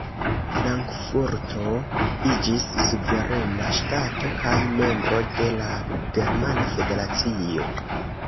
Frankfurto iĝis suverena ŝtato kaj membro de la Germana Federacio.